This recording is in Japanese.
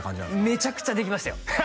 めちゃくちゃできましたよ